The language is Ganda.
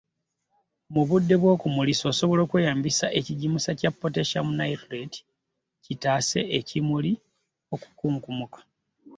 Mu budde obw’okumulisa osobola okweyambisa ekigimusa kya Potassium nitrate kitaase ekimuli okukunkumuka.